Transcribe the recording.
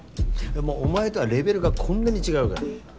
もうお前とはレベルがこんなに違うから。